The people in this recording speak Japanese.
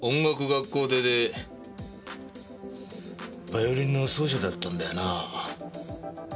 学校出でバイオリンの奏者だったんだよな？